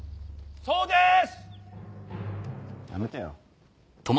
そうです！